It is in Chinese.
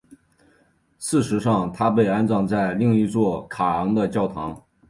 事实上她被安葬在另一座卡昂的教堂。